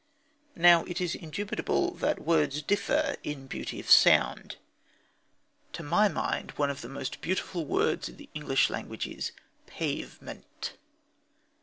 Now it is indubitable that words differ in beauty of sound. To my mind one of the most beautiful words in the English language is "pavement."